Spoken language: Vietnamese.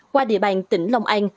qua địa bàn tỉnh lòng an